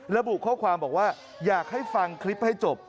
ระบุข้อความบอกว่าอยากให้ฟังคลิปให้จบ